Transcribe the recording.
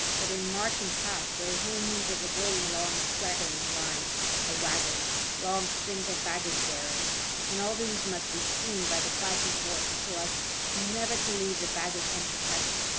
But in marching past there is no means of avoiding long straggling lines of waggons, long strings of baggage bearers, and all these must be screened by the fighting force so as never to leave the baggage unprotected.